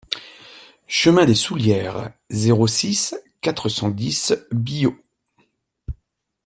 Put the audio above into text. Chemin des Soullieres, zéro six, quatre cent dix Biot